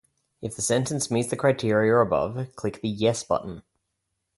If the sentence meets the criteria above, click the "Yes" button.